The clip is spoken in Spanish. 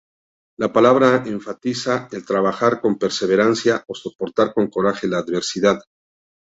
La palabra enfatiza el "trabajar con perseverancia" o "soportar con coraje la adversidad".